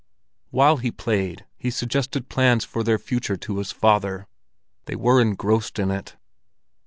While he played, he suggested plans for their future to his father: they were engrossed in it.